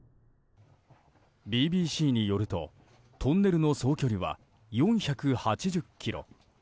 ＢＢＣによるとトンネルの総距離は４８０ｋｍ。